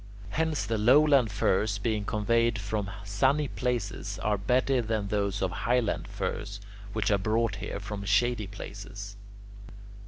Hence the lowland firs, being conveyed from sunny places, are better than those highland firs, which are brought here from shady places.